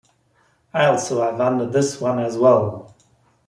I'll survive under this one as well.